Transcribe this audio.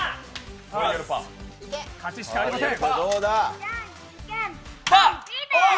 勝ちしかありません。